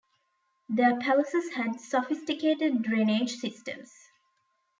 Their palaces had sophisticated drainage systems.